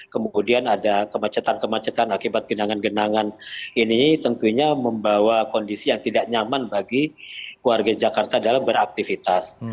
kemudian ada kemacetan kemacetan akibat genangan genangan ini tentunya membawa kondisi yang tidak nyaman bagi warga jakarta dalam beraktivitas